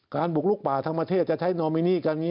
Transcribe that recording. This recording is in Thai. บุกลุกป่าทั้งประเทศจะใช้นอมินีการนี้